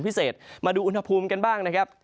ในภาคฝั่งอันดามันนะครับ